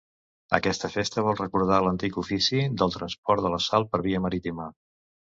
Aquesta festa vol recordar l'antic ofici del transport de la sal per via marítima.